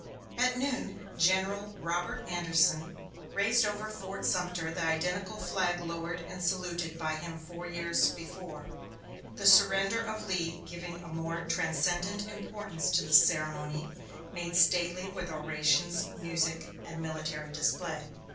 At noon General Robert Anderson raised over Fort Sumter the identical flag lowered and saluted by him four years before; the surrender of Lee giving a more transcendent importance to this ceremony, made stately with orations, music, and military display.